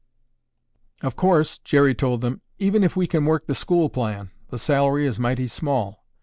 '" "Of course," Jerry told them, "even if we can work the school plan, the salary is mighty small.